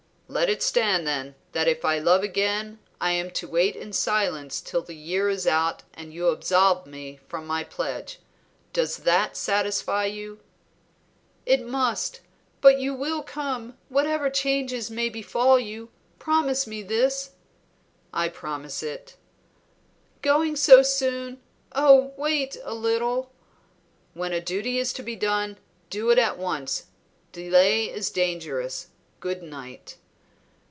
"Let it stand, then, that if I love again I am to wait in silence till the year is out and you absolve me from my pledge. Does that satisfy you?" "It must. But you will come, whatever changes may befall you? Promise me this." "I promise it." "Going so soon? Oh, wait a little!" "When a duty is to be done, do it at once; delay is dangerous. Good night."